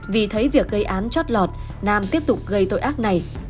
vì thấy việc gây án chót lọt nam tiếp tục gây tội ác này